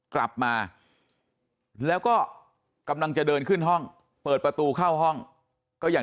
กลับมาแล้วก็กำลังจะเดินขึ้นห้องเปิดประตูเข้าห้องก็อย่าง